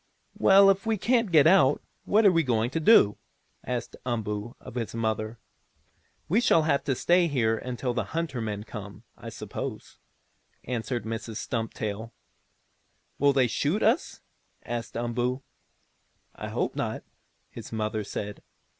"Well, if we can't get out, what are we going to do?" asked Umboo of his mother. "We shall have to stay here until the hunter men come, I suppose," answered Mrs. Stumptail. "Will they shoot us?" asked Umboo. "I hope not," his mother said.